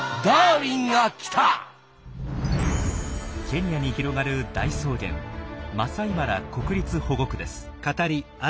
ケニアに広がる大草原マサイマラ国立保護区です。